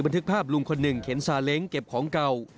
ทึกภาพลุงคนหนึ่งเข็นซาเล้งเก็บของเก่า